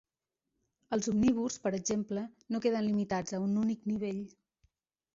Els omnívors, per exemple, no queden limitats a un únic nivell.